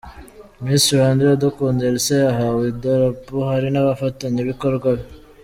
Miss Rwanda Iradukunda Elsa yahawe idarapo hari n'abafatanyabikorwa be.